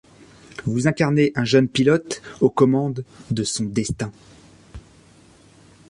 Vous incarnez un jeune pilote aux commandes de son destin.